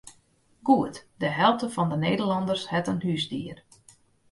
Goed de helte fan de Nederlanners hat in húsdier.